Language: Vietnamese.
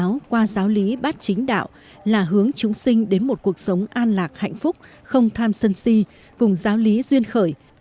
giáo qua giáo lý bát chính đạo là hướng chúng sinh đến một cuộc sống an lạc hạnh phúc không tham sân si cùng giáo lý duyên khởi